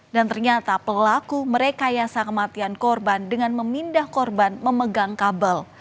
dan ternyata pelaku merekayasa kematian korban dengan memindah korban memegang kabel